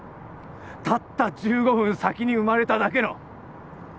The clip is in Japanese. たった１５分先に生まれただけの！